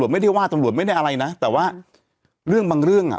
ไม่ได้ว่าตำรวจไม่ได้อะไรนะแต่ว่าเรื่องบางเรื่องอ่ะ